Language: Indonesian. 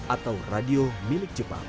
atau radio milik jepang